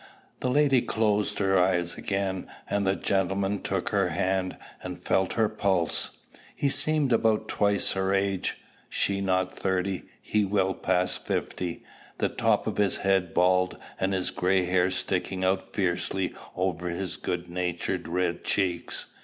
The lady closed her eyes again, and the gentleman took her hand, and felt her pulse. He seemed about twice her age, she not thirty; he well past fifty, the top of his head bald, and his gray hair sticking out fiercely over his good natured red cheeks.